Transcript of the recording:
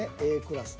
Ａクラス。